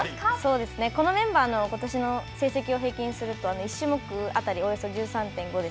このメンバーのことしの成績を平均すると、１種目当たりおよそ１３．５なので。